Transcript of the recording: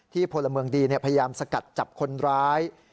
พลเมืองดีพยายามสกัดจับคนร้าย